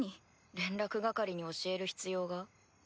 連絡係に教える必要が？